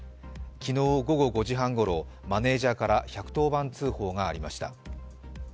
昨日午後５時半ごろ、マネージャーから１１０番通報がありました。